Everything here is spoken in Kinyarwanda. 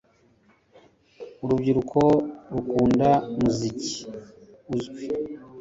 urubyiruko rukunda umuziki uzwi